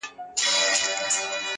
لوږي ځپلي یخني یې وژني -